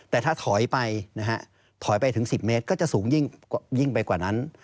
แต่ถ้าถอยไปถึง๑๐เมตรก็จะสูงยิ่งไปกว่านั้น